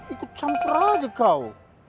ikut campur aja kau